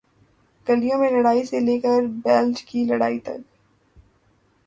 گلیوں میں لڑائی سے لے کر بیلٹ کی لڑائی تک،